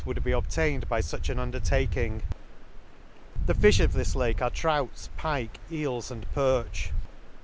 15T would be obtained by fuch an undertak ing.. — The fifh of this Lake are trouts, pike, eels, and perch.